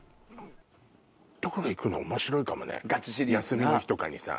休みの日とかにさ。